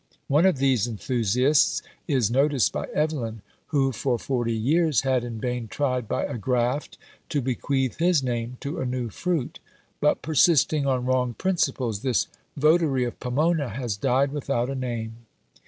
One of these enthusiasts is noticed by Evelyn, who for forty years had in vain tried by a graft to bequeath his name to a new fruit; but persisting on wrong principles this votary of Pomona has died without a name.